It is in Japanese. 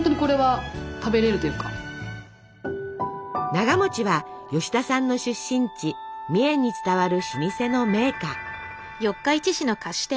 ながは吉田さんの出身地三重に伝わる老舗の銘菓。